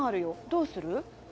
どうする？